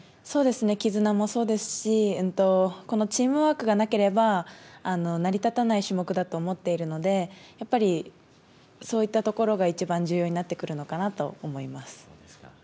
そうですね、絆もそうですし、このチームワークがなければ成り立たない種目だと思っているので、やっぱりそういったところが一番重要になってくるのかなと思います。